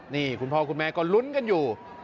นี่คุณพ่อคุณแม่ก็ลุ้นกันอยู่